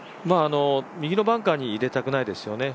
右のバンカーに入れたくないですよね。